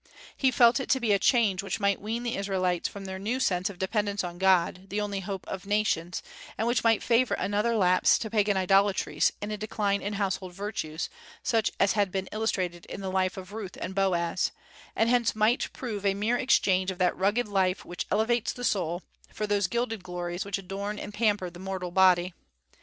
He felt it to be a change which might wean the Israelites from their new sense of dependence on God, the only hope of nations, and which might favor another lapse to pagan idolatries and a decline in household virtues, such as had been illustrated in the life of Ruth and Boaz, and hence might prove a mere exchange of that rugged life which elevates the soul, for those gilded glories which adorn and pamper the mortal body.